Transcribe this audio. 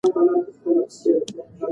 د پسه غوښه غوړ لري.